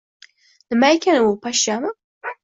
Nima ekan u, pashshami?